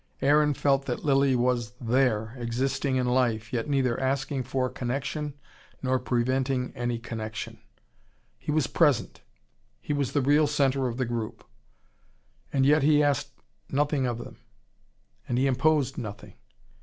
Aaron felt that Lilly was there, existing in life, yet neither asking for connection nor preventing any connection. He was present, he was the real centre of the group. And yet he asked nothing of them, and he imposed nothing.